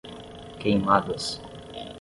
Queimadas